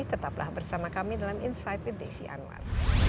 tetaplah bersama kami dalam insight with desi anwar